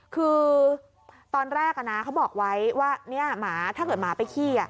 คือตอนแรกอ่ะนะเขาบอกไว้ว่าเนี้ยหมาถ้าเกิดหมาไปขี้อ่ะ